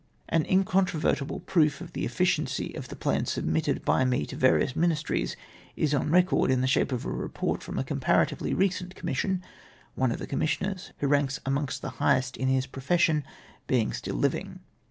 An incontrovertible proof of the efficiency of the plans submitted by me to various ministries is on EECENT REPORT ON MY PLANS. 233 record in the shape of a report from a conijxiratively recent commission, one of the commissioners — who ranks amongst the highest in his profession — being still living.